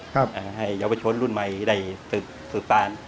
ครับให้เยาวชนรุ่นใหม่ในสถาน